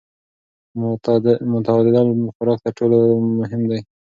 متعادل خوراک تر ټولو مهم دی.